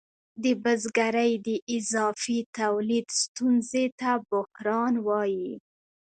د بزګرۍ د اضافي تولید ستونزې ته بحران وايي